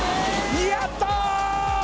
やった！